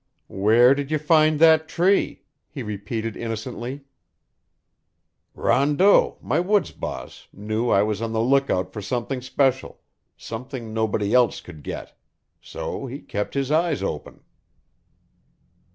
"Where did you find that tree?" he repeated innocently. "Rondeau, my woods boss, knew I was on the lookout for something special something nobody else could get; so he kept his eyes open."